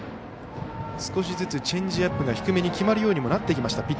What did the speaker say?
少しずつチェンジアップが低めに決まるようにもなってきました。